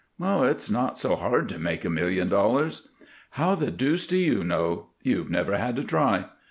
"It's not so hard to make a million dollars." "How the deuce do you know? You've never had to try.